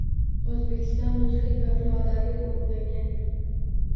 O‘zbekiston – do‘stlik va birodarlik ulug‘langan yurt